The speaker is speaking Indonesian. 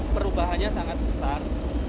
perubahannya sangat besar